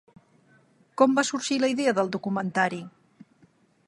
Com va sorgir la idea del documentari?